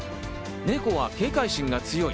ネコは警戒心が強い。